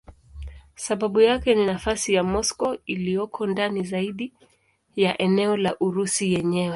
Sababu yake ni nafasi ya Moscow iliyoko ndani zaidi ya eneo la Urusi yenyewe.